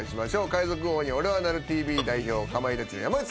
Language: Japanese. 『海賊王におれはなるＴＶ』代表かまいたちの山内さんです。